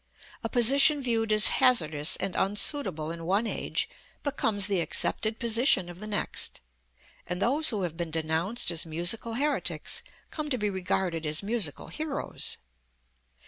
A position viewed as hazardous and unsuitable in one age, becomes the accepted position of the next, and those who have been denounced as musical heretics come to be regarded as musical heroes.